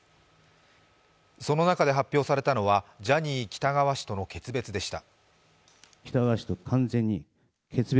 その中で発表されたのは、ジャニー喜多川氏との決別でした。